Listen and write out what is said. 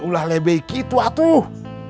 ulah lebih gitu atuh